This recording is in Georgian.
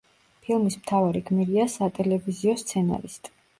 ფილმის მთავარი გმირია სატელევიზიო სცენარისტი.